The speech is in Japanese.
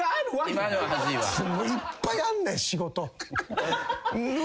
いっぱいあんねん仕事。